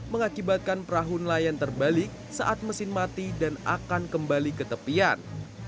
mengakibatkan perahu nelayan terbalik saat mesin mati dan akan kembali ke tepian